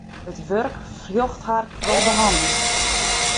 It wurk fljocht har troch de hannen.